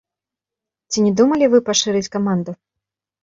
Ці не думалі вы пашырыць каманду?